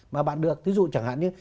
mà bạn được ví dụ chẳng hạn như